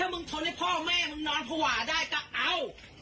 ถ้ามึงทนให้พ่อแม่มันนอนพวาได้ก็เอ้า